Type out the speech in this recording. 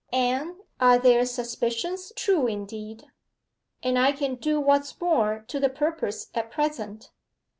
'And are their suspicions true indeed!' 'And I can do what's more to the purpose at present.